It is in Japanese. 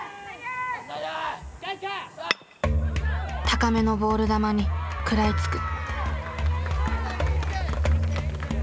高めのボール球に食らいつく。